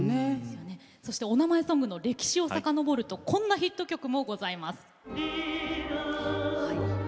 そして、お名前ソングの歴史をさかのぼるとこんなヒット曲もございます。